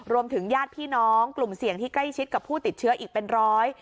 ญาติพี่น้องกลุ่มเสี่ยงที่ใกล้ชิดกับผู้ติดเชื้ออีกเป็นร้อย